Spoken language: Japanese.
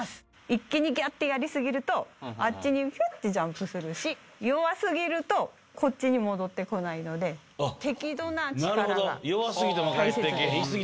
一気にガッてやりすぎるとあっちにヒュッてジャンプするし弱すぎるとこっちに戻ってこないので適度な力が大切です。